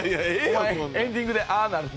お前エンディングでああなる。